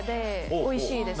おいしいですよね。